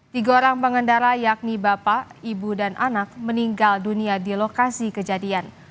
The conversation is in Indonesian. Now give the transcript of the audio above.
tiga orang pengendara yakni bapak ibu dan anak meninggal dunia di lokasi kejadian